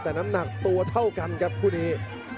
แต่น้ำหนักตัวเท่ากันครับคู่นี้